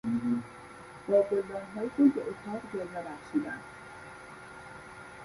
با گلدانهای گل به اتاق جلوه بخشیدن